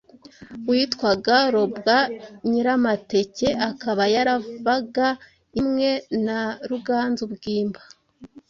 witwaga Robwa Nyiramateke akaba yaravaga indimwe na Ruganzu Bwimba.